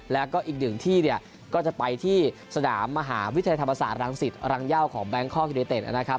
แล้วก็อีกหนึ่งที่ก็จะไปที่สนามมหาวิทยาธรรมศาสตร์รังสิทธิ์รังย่าวของแบงค์ข้อคิดเตะนะครับ